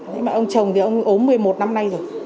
nhưng mà ông chồng thì ông ốm một mươi một năm nay rồi